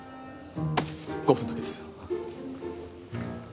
５分だけですよ。